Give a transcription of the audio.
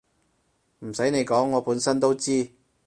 唔使你講我本身都知